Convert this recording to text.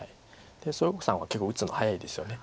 蘇耀国さんは結構打つの早いですよね。